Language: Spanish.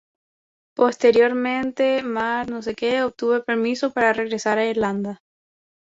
Posteriormente, Mac Carthaig obtuvo permiso para regresar a Irlanda.